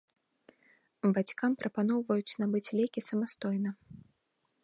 Бацькам прапаноўваюць набыць лекі самастойна.